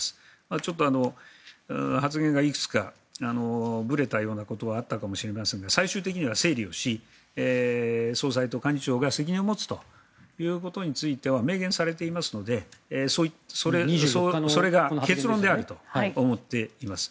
ちょっと発言がいくつかぶれたようなことはあったかもしれませんが最終的には整理をし総裁と幹事長が責任を持つということについては明言されていますのでそれが結論であると思っています。